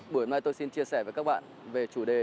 bữa nay tôi xin chia sẻ với các bạn về chủ đề